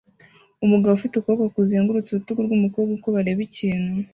Umugabo ufite ukuboko kuzengurutse urutugu rwumukobwa uko bareba ikintu